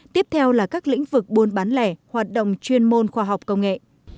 tiếp theo là các lĩnh vực buôn bán lẻ hoạt động chuyên môn khoa học công nghệ